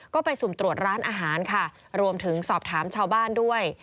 ก็ไปสุ่มตรวจร้านอาหารค่ะรวมถึงสอบถามชาวบ้านด้วย